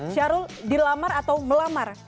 syahrul dilamar atau melamar